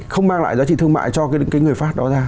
không mang lại giá trị thương mại cho cái người phát đó ra